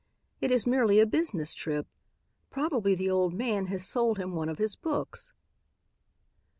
It is merely a business trip. Probably the old man has sold him one of his books."